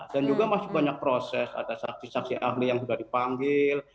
dan juga masih banyak proses ada saksi saksi ahli yang sudah dipanggil